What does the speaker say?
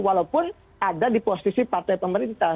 walaupun ada di posisi partai pemerintah